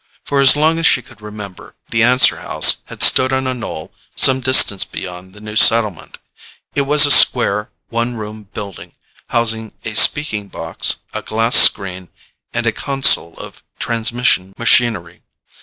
For as long as she could remember, the answer house had stood on a knoll some distance beyond the new settlement. It was a square, one room building, housing a speaking box, a glass screen and a console of transmission machinery.